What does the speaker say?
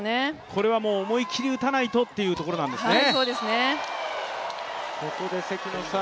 これは思い切り打たないとというところですね。